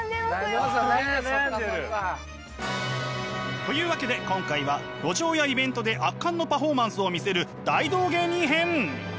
そっかそっか。というわけで今回は路上やイベントで圧巻のパフォーマンスを見せる大道芸人編！